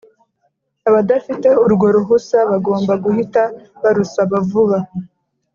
abadafite urwo ruhusa bagomba guhita barusaba vuba